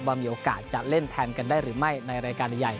มีโอกาสจะเล่นแทนกันได้หรือไม่ในรายการใหญ่